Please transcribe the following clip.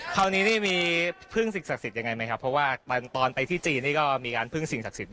คราวนี้นี่มีพึ่งสิ่งศักดิ์สิทธิ์ยังไงไหมครับเพราะว่าตอนไปที่จีนนี่ก็มีการพึ่งสิ่งศักดิ์สิทธิ